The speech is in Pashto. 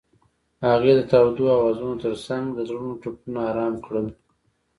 هغې د تاوده اوازونو ترڅنګ د زړونو ټپونه آرام کړل.